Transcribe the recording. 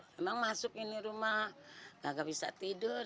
memang masuk ini rumah kagak bisa tidur